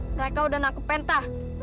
mereka sudah menangkap betta